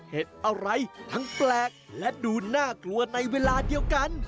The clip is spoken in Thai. อะไรทั้งแปลกและดูน่ากลัวในเวลาเดียวกัน